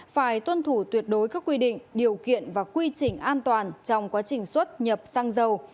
phải tuân thủ tuyệt đối các quy định điều kiện và quy trình an toàn trong quá trình xuất nhập xăng dầu